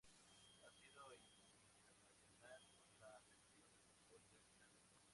Ha sido internacional con la selección de fútbol de Finlandia.